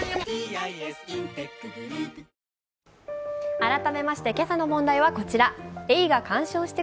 改めまして今朝の問題はこちら。